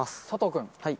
佐藤君。